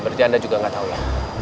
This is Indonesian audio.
berarti anda juga nggak tahu lah